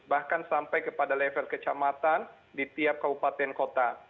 bahkan sampai kepada level kecamatan di tiap kabupaten kota